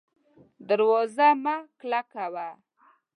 دروازه مه کلکه وه